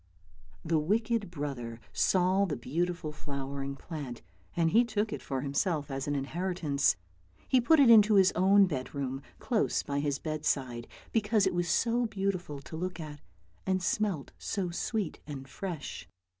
The wicked brother saw the beautiful flowering plant, and he took it for himself as an inheritance. He put it into his own bedroom, close by his bedside, because it was so beautiful to look at, and smelt so sweet and fresh.